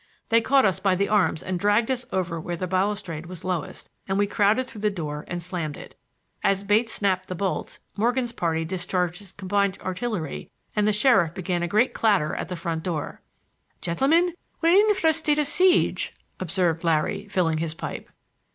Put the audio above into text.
They caught us by the arms and dragged us over where the balustrade was lowest, and we crowded through the door and slammed it. As Bates snapped the bolts Morgan's party discharged its combined artillery and the sheriff began a great clatter at the front door. "Gentlemen, we're in a state of siege," observed Larry, filling his pipe.